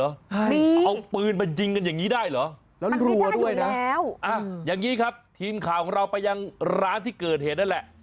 เอาปืนมายิงกันอย่างนี้ได้เหรอแล้วรัวด้วยนะอย่างนี้ครับทีมข่าวของเราไปยังร้านที่เกิดเหตุนั่นแหละ